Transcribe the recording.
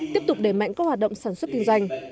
tiếp tục đẩy mạnh các hoạt động sản xuất kinh doanh